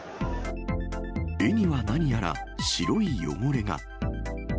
絵には何やら白い汚れが。